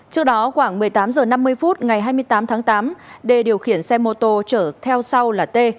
trước đó khoảng một mươi tám h năm mươi phút ngày hai mươi tám tháng tám đê điều khiển xe mô tô chở theo sau là t